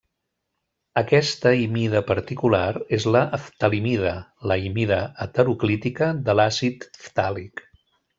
Aquesta imida particular és la ftalimida, la imida heterocíclica de l'àcid ftàlic.